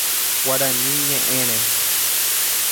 Guaraní ñeʼẽre.